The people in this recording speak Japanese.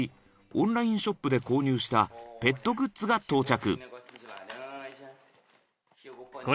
オンラインショップで購入したペットグッズが到着］